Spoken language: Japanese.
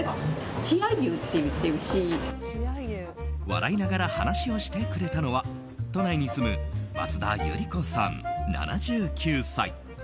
笑いながら話をしてくれたのは都内に住む松田百合子さん、７９歳。